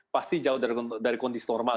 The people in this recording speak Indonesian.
pasti jauh dari kondisi normal